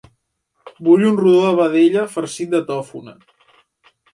Vull un rodó de vedella farcit de tòfona.